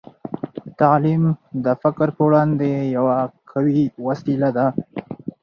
تعلیم د فقر په وړاندې یوه قوي وسله ده.